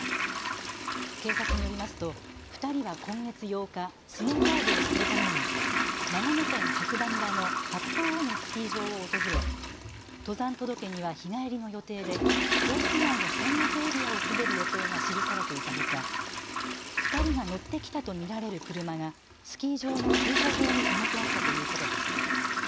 警察によりますと２人は今月８日、スノーボードをするために長野県白馬村の八方尾根スキー場を訪れ登山届には日帰りの予定でコース外の山岳エリアを滑る予定が記されていたほか、２人が乗ってきたと見られる車がスキー場の駐車場に止めてあったということです。